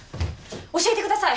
教えてください